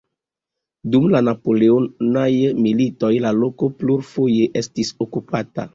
Dum la Napoleonaj Militoj la loko plurfoje estis okupata.